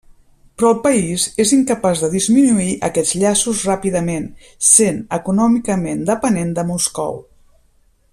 Però el país és incapaç de disminuir aquests llaços ràpidament, sent econòmicament depenent de Moscou.